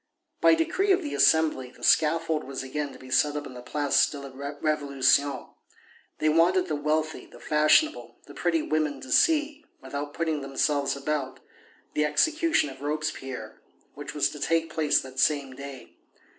By decree of the Assembly the scaffold was again to be set up in the Place de la Révolution. They wanted the wealthy, the fashionable, the pretty women to see, without putting themselves about, the execution of Robespierre, which was to take place that same day.